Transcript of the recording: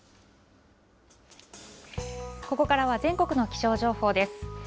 ここからは全国の気象情報です。